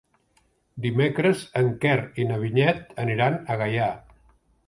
Dimecres en Quer i na Vinyet aniran a Gaià.